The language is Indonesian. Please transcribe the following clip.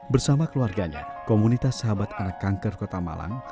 bersama keluarganya komunitas sahabat anak kanker kota malang